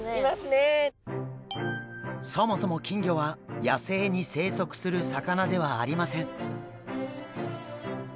そもそも金魚は野生に生息する魚ではありません。